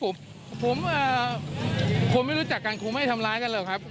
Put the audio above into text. ครับผมผมอ่าผมไม่รู้จักกันคงไม่ได้ทำร้ายกันหรอกครับ